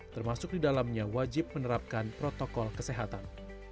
termasuk di dalamnya wajib menerapkan protokol kesehatan